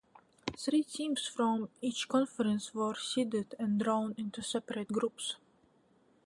Three teams from each conference were seeded and drawn into separate groups.